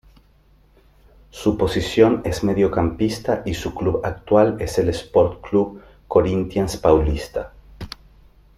Su posición es mediocampista y su club actual es el Sport Club Corinthians Paulista.